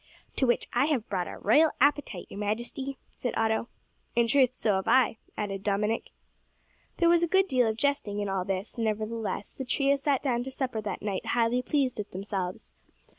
"To which I have brought a royal appetite, your majesty," said Otto. "In truth so have I," added Dominick. There was a good deal of jesting in all this; nevertheless the trio sat down to supper that night highly pleased with themselves.